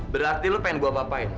berarti lo pengen gue apa apain